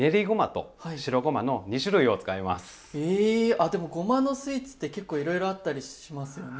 あでもごまのスイーツって結構いろいろあったりしますよね。